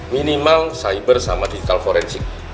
minimal cyber sama digital forensik